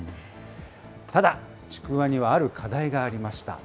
ただ、ちくわにはある課題がありました。